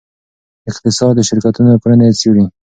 اقتصاد د شرکتونو کړنې څیړي.